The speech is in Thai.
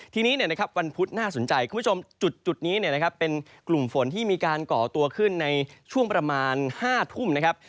ทีนี้นะครับวันพุธน่าสนใจคุณผู้ชมจุดนี้เป็นกลุ่มฝนที่มีการก่อตัวขึ้นในช่วงประมาณ๕ทุ่มนะครับ